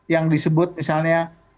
yang disebut misalnya